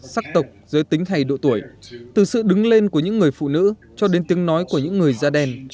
sắc tộc giới tính hay độ tuổi từ sự đứng lên của những người phụ nữ cho đến tiếng nói của những người da đen